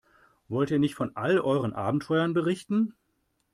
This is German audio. Wollt ihr nicht von all euren Abenteuern berichten?